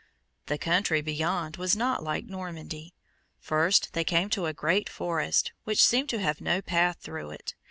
The country beyond was not like Normandy. First they came to a great forest, which seemed to have no path through it.